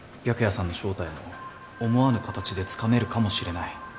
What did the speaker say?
白夜さんの正体も思わぬ形でつかめるかもしれない。